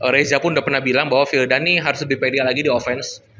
reza pun udah pernah bilang bahwa vildan nih harus lebih pedial lagi di offense